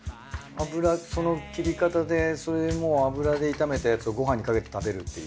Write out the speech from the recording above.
その切り方で油で炒めたやつをごはんにかけて食べるっていう。